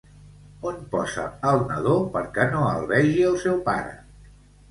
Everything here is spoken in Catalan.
On posa al nadó perquè no el vegi el seu pare?